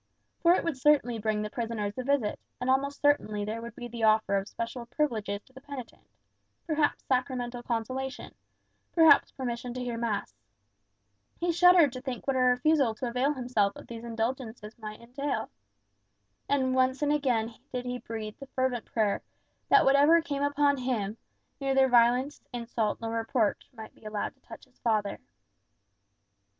For it would certainly bring the prisoners a visit; and almost certainly there would be the offer of special privileges to the penitent, perhaps sacramental consolation, perhaps permission to hear mass. He shuddered to think what a refusal to avail himself of these indulgences might entail. And once and again did he breathe the fervent prayer, that whatever came upon him, neither violence, insult, nor reproach might be allowed to touch his father.